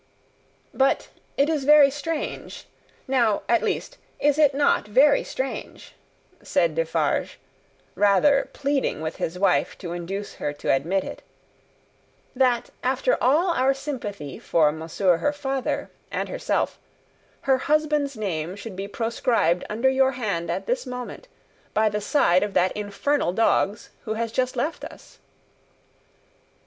"But it is very strange now, at least, is it not very strange" said Defarge, rather pleading with his wife to induce her to admit it, "that, after all our sympathy for Monsieur her father, and herself, her husband's name should be proscribed under your hand at this moment, by the side of that infernal dog's who has just left us?"